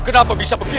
kenapa bisa begini